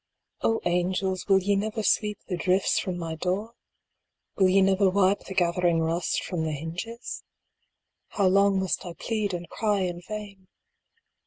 f~\ ANGELS ! will ye never sweep the drifts from my door? Will ye never wipe the gathering rust from the hinges ? How long must I plead and cry in vain